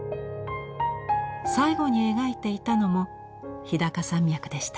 最後に描いていたのも日高山脈でした。